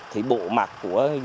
thì bộ mặt của